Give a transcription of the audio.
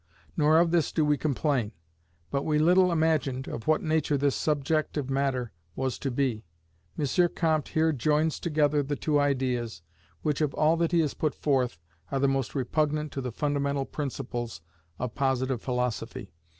Nor of this do we complain: but we little imagined of what nature this subjective matter was to be. M. Comte here joins together the two ideas, which, of all that he has put forth, are the most repugnant to the fundamental principles of Positive Philosophy.